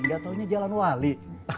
gak taunya jalan wali